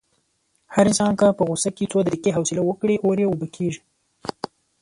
هر انسان که په غوسه کې څو دقیقې حوصله وکړي، اور یې اوبه کېږي.